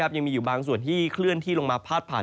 ยังมีอยู่บางส่วนที่เคลื่อนที่ลงมาพาดผ่าน